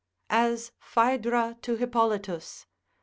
As Phaedra to Hippolitus.